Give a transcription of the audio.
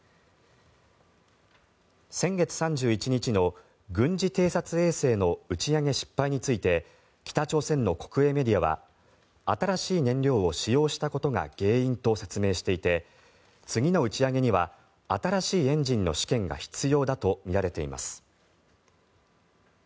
先月３１日の軍事偵察衛星の打ち上げ失敗について北朝鮮の国営メディアは新しい燃料を使用したことが原因と説明していて次の打ち上げには新しいエンジンの試験が必要だとみられています。